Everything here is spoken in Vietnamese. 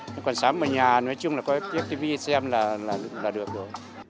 còn sáng sớm ở nhà nói chung là coi tivi xem là được rồi